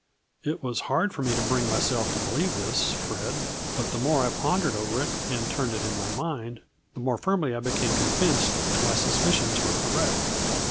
It was hard for me to bring myself to believe this, Fred, but the more I pondered over it, and turned it in my mind, the more firmly I became convinced that my suspicions were correct.